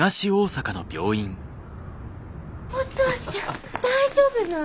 お父ちゃん大丈夫なん？